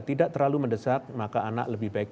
tidak terlalu mendesak maka anak lebih baik